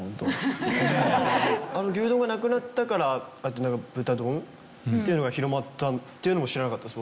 牛丼がなくなったから豚丼っていうのが広まったっていうのも知らなかったです